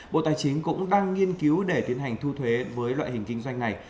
bộ tài chính cũng đang nghiên cứu để tiến hành thu thuế với loại hình kinh doanh này